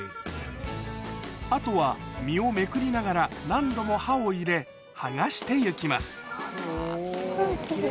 あとは身をめくりながら何度も刃を入れ剥がして行きます奇麗。